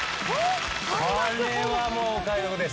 これはもうお買い得です。